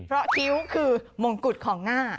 เพราะคิ้วคือมงกุฎของหน้า